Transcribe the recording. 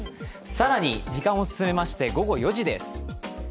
更に時間を進めまして午後４時です